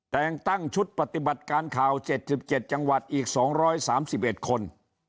แต่งตั้งชุดปฏิบัติการข่าว๗๗จังหวัดอีก๒๓๑คน